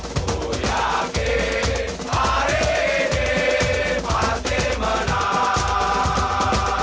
kuyakin hari ini pasti menang